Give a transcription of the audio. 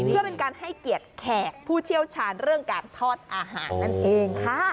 เพื่อเป็นการให้เกียรติแขกผู้เชี่ยวชาญเรื่องการทอดอาหารนั่นเองค่ะ